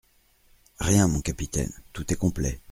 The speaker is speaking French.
Rien, mon capitaine, tout est complet.